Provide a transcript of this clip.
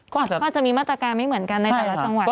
ก็จะมีมาตรการไม่เหมือนกันในแต่ละจังหวัด